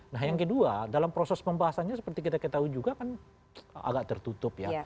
nah yang kedua dalam proses pembahasannya seperti kita ketahui juga kan agak tertutup ya